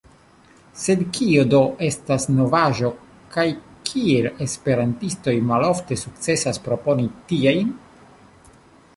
Sed kio do estas novaĵo, kaj kial esperantistoj malofte sukcesas proponi tiajn?